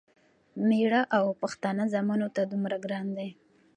مېړه او پښتانه ځامنو ته دومره ګران دی،